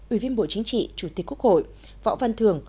ủy viên bộ chính trị chủ tịch quốc hội võ văn thường